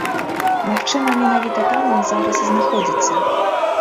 Магчыма менавіта там ён зараз і знаходзіцца.